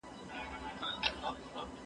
متلونه او کیسې.